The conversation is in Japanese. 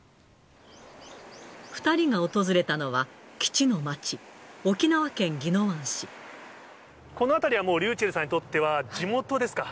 ２人が訪れたのは、基地の街、この辺りはもう、ｒｙｕｃｈｅｌｌさんにとってはもう、地元ですか？